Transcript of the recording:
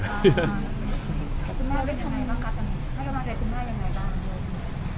คุณพ่อได้ทำอะไรบ้างกับคุณแม่อย่างไรบ้าง